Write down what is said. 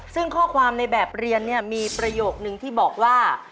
ซึ่งข้อความในแบบเรียนเนี่ยมีประโยคนึงที่บอกว่า